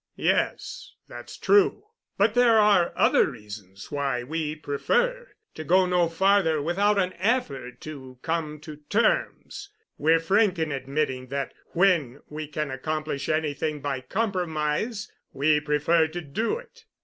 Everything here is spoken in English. "Yes, that's true. But there are other reasons why we prefer to go no farther without an effort to come to terms. We're frank in admitting that when we can accomplish anything by compromise we prefer to do it.